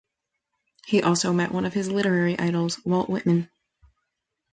He also met one of his literary idols, Walt Whitman.